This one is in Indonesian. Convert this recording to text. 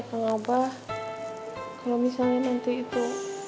kalau misalnya nanti itu